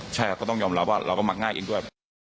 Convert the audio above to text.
ใช่ครับก็ต้องยอมรับว่าเราก็มักง่ายเองด้วย